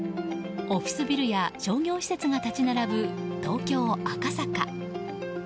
オフィスビルや商業施設が立ち並ぶ東京・赤坂。